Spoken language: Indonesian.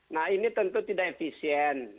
nah ini tentu tidak efisien